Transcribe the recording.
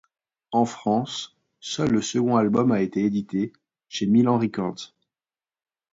En France, seul le second album a été édité, chez Milan Records.